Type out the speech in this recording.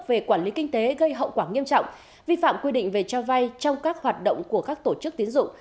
về quản lý kinh tế gây hậu quả nghiêm trọng vi phạm quy định về cho vay trong các hoạt động của các tổ chức tiến dụng